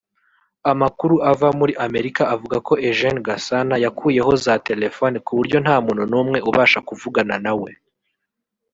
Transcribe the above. Amakuru ava muri Amerika avuga ko Eugene Gasana yakuyeho za Telefone kuburyo ntamuntu numwe ubasha kuvugana nawe